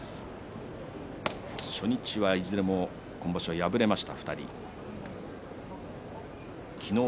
初日はいずれも今場所敗れました。